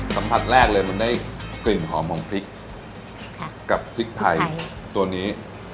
สัมผัสแรกเลยมันได้กลิ่นหอมของพริกกับพริกไทยตัวนี้